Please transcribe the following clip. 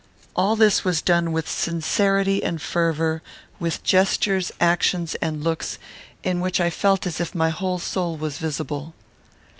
All this was done with sincerity and fervour, with gestures, actions, and looks, in which I felt as if my whole soul was visible.